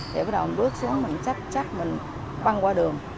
để bắt đầu bước xuống mình chắc chắc mình băng qua đường